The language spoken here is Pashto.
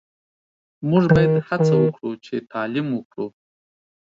موژ باید هڅه وکړو چی تعلیم وکړو